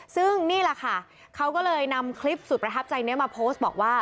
ซึ่งนี่แหละค่ะเขาก็เลยนำคลิปสุดประทับใจนี้มาโพสต์บอกว่า